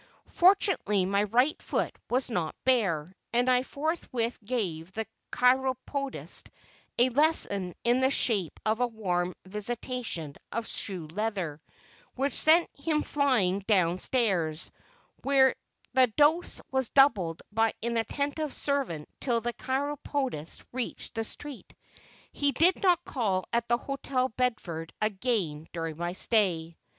Fortunately, my right foot was not bare, and I forthwith gave the chiropodist a lesson in the shape of a warm visitation of shoe leather, which sent him flying down stairs, where the dose was doubled by an attentive servant till the chiropodist reached the street. He did not call at the Hotel Bedford again during my stay.